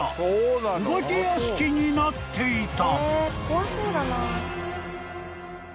［お化け屋敷になっていた］